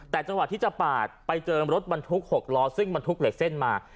แต่จังหวะที่จะปาดไปเจอรถบรรทุก๖ล้อซึ่งบรรทุกเหล็กเส้นมา